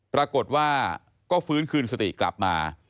ปรากฏว่าก็ฟื้นคืนสติกลับมา